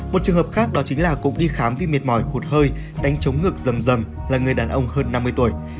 một trường hợp khác đó chính là cũng đi khám vì mệt mỏi hụt hơi đánh chống ngực dầm dầm là người đàn ông hơn năm mươi tuổi